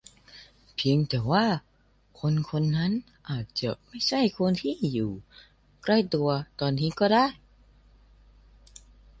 เพียงแต่ว่าคนคนนั้นอาจไม่ใช่คนที่อยู่ใกล้ตัวตอนนี้ก็ได้